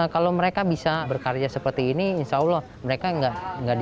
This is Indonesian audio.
kalau mereka bisa bekerja seperti ini insya allah mereka tidak dipakai